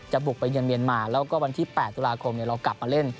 บุกไปเยือนเมียนมาแล้วก็วันที่๘ตุลาคมเรากลับมาเล่น